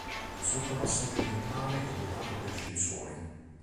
Il sottopassaggio orientale è dotato di ascensori.